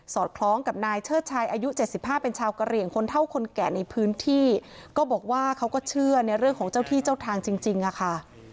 คล้องกับนายเชิดชายอายุ๗๕เป็นชาวกะเหลี่ยงคนเท่าคนแก่ในพื้นที่ก็บอกว่าเขาก็เชื่อในเรื่องของเจ้าที่เจ้าทางจริงอะค่ะ